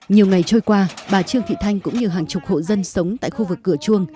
nhiều ngày trôi qua bà trương thị thanh cũng như hàng chục hộ dân sống tại khu vực cửa chuông